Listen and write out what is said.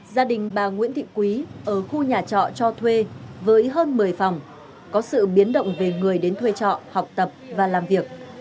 gia đình bà nguyễn thị quý ở khu nhà trọ cho thuê với hơn một mươi phòng có sự biến động về người đến thuê trọ học tập và làm việc